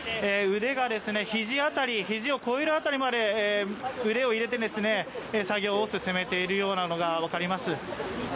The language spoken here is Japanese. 腕が肘を越える辺りまで腕を入れて作業を進めているのが分かります。